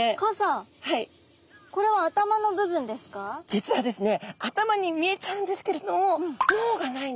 実はですね